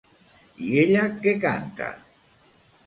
I ella què canta?